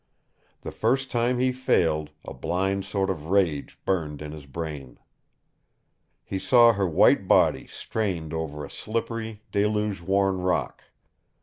The first time he failed, a blind sort of rage burned in his brain. He saw her white body strained over a slippery, deluge worn rock.